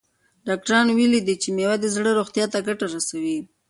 ډاکټرانو ویلي دي چې مېوه د زړه روغتیا ته ګټه رسوي.